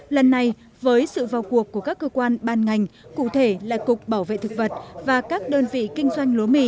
lần này với sự vào cuộc của các cơ quan ban ngành cụ thể là cục bảo vệ thực vật và các đơn vị kinh doanh